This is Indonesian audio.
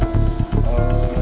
di rantau dunia